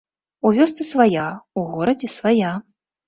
У вёсцы свая, у горадзе свая.